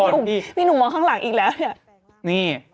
พี่หนุ่มมองข้างหลังอีกแล้วเนี่ย